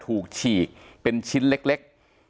ฉีกเป็นชิ้นเล็ก